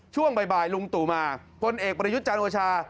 ช่วงบ่ายลุงตุมาคนเอกปรยุทธ์จานโอชา